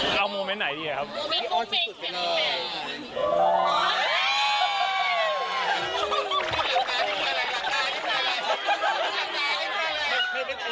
เฮ้ยเอามุมเม้นท์ไหนดีอะครับ